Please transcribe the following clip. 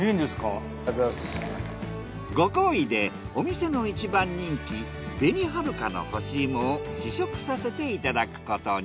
ご厚意でお店の１番人気紅はるかの干し芋を試食させていただくことに。